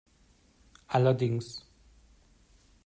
Allerdings.